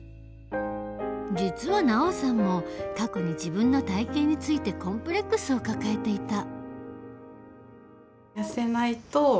実はＮＡＯさんも過去に自分の体型についてコンプレックスを抱えていた。